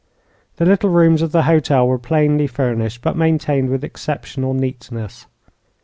The little rooms of the hotel were plainly furnished but maintained with exceptional neatness.